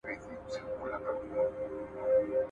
که درد نرم وي، کورنۍ نسخې مرسته کولای شي.